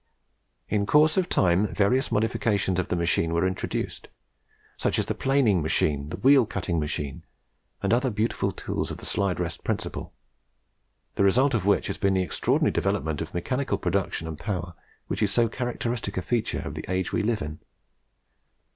In course of time various modifications of the machine were introduced such as the planing machine, the wheel cutting machine, and other beautiful tools on the slide rest principle, the result of which has been that extraordinary development of mechanical production and power which is so characteristic a feature of the age we live in.